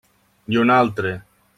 I un altre.